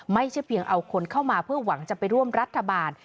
ไม่ใช่เพียงเอาคนเข้ามาเพื่อหวังจะไปร่วมรัฐบาล